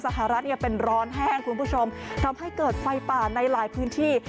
สหรัฐเนี่ยเป็นร้อนแห้งคุณผู้ชมทำให้เกิดไฟป่าในหลายพื้นที่